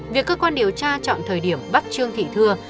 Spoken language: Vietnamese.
việc cơ quan điều tra chọn thời điểm bắt trương thị thưa